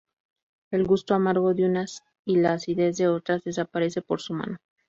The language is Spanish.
El gusto amargo de unas y la acidez de otras desaparece por su mano.